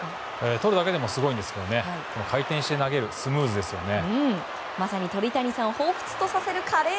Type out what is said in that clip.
とるだけでもすごいんですけど回転して投げるスムーズですよね。